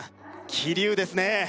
桐生ですね